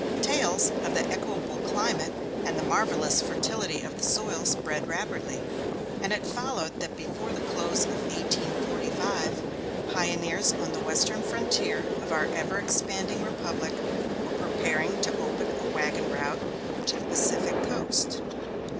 Tales of the equable climate and the marvellous fertility of the soil spread rapidly, and it followed that before the close of 1845, pioneers on the western frontier of our ever expanding republic were preparing to open a wagon route to the Pacific coast.